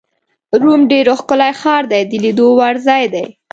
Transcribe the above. روم ډېر ښکلی ښار دی، د لیدو وړ ځای دی.